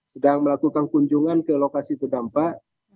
sedang melakukan kunjungan ke lokasi terdampak